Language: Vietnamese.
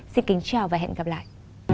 xin kính chào và hẹn gặp lại